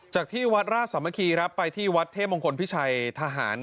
ที่วัดราชสามัคคีไปที่วัดเทพมงคลพิชัยทหาร